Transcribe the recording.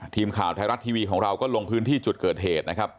ทีมข่าวไทยรัฐทีวีของเราก็ลงพื้นที่จุดเกิดเหตุนะครับ